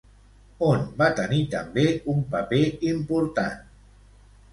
On va tenir també un paper important?